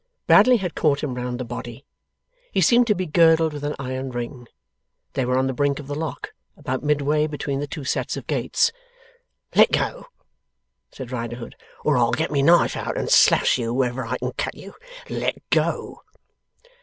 Bradley had caught him round the body. He seemed to be girdled with an iron ring. They were on the brink of the Lock, about midway between the two sets of gates. 'Let go!' said Riderhood, 'or I'll get my knife out and slash you wherever I can cut you. Let go!